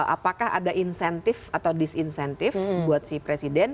apakah ada insentif atau disinsentif buat si presiden